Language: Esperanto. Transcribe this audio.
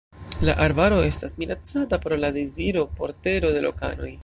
La arbaro estas minacata pro la deziro por tero de lokanoj.